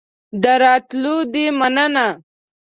د راتلو دي مننه